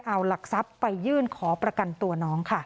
เอาหลักทรัพย์ไปยื่นขอประกันตัวน้องค่ะ